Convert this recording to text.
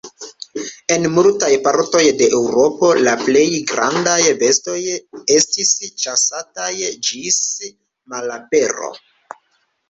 En multaj partoj de Eŭropo la plej grandaj bestoj estis ĉasataj ĝis malapero.